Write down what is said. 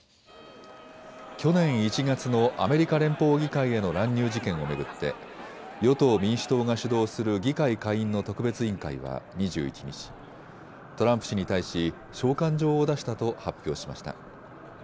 去年１月のアメリカ連邦議会への乱入事件を巡って与党・民主党が主導する議会下院の特別委員会は２１日、トランプ氏に対し召喚状を出したと発表しました。